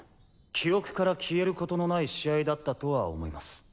記憶から消えることのない試合だったとは思います。